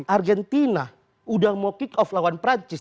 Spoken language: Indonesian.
argentina udah mau kick off lawan perancis